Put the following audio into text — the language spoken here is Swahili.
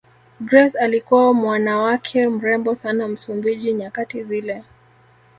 Grace alikuwa mwanawake mrembo sana Msumbiji nyakati zile